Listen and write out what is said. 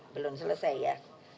belum selesai ya